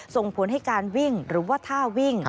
ส่งผลให้การวิ่งหรือว่าท่าวิ่ง